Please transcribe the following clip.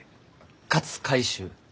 勝海舟。